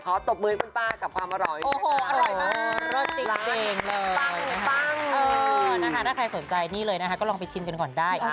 ตบมือให้คุณป้ากับความอร่อยโอ้โหอร่อยมากเลิศจริงเลยปังเออนะคะถ้าใครสนใจนี่เลยนะคะก็ลองไปชิมกันก่อนได้